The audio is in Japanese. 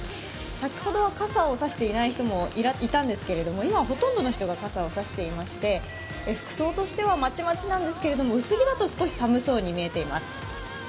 先ほどは傘を差していない人もいたんですが今はほとんどの人が傘を差していまして、服装としてはまちまちなんですけれども、薄着だと少し寒そうに見えています。